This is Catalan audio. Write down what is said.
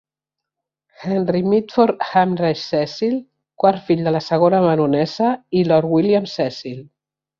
Henry Mitford Amherst Cecil, quart fill de la segona baronessa i Lord William Cecil.